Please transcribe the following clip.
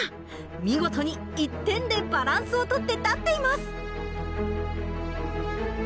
見事に１点でバランスを取って立っています。